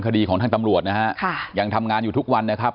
คดีของทางตำรวจนะฮะค่ะยังทำงานอยู่ทุกวันนะครับ